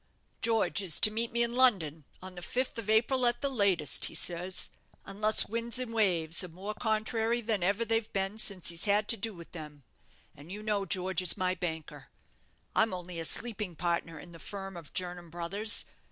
George is to meet me in London on the fifth of April, at the latest, he says, unless winds and waves are more contrary than ever they've been since he's had to do with them; and you know George is my banker. I'm only a sleeping partner in the firm of Jernam Brothers.